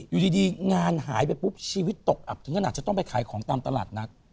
อยู่ดีงานหายไปปุ๊บชีวิตตกอับถึงขนาดจะต้องไปขายของตามตลาดนัด